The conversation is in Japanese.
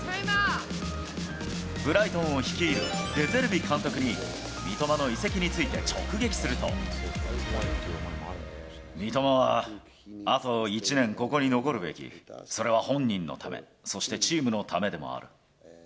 ブライトンを率いるデ・ゼルビ監督に、三笘の移籍について直撃す三笘はあと１年ここに残るべき、それは本人のため、そしてチームのためでもある。